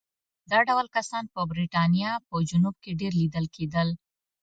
دا ډول کسان په برېټانیا په جنوب کې ډېر لیدل کېدل.